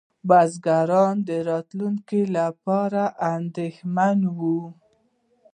بزګران د راتلونکي لپاره اندېښمن وو.